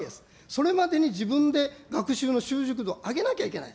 それまでに自分で学習の習熟度、上げなきゃいけない。